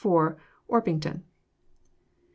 Orpington. IV.